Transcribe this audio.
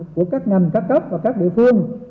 của các ngành các cấp và các địa phương